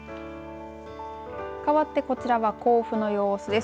かわってこちらは甲府の様子です。